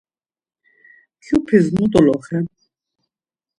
Kyupis mi doloxen?